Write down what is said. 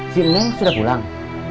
si men sudah pulang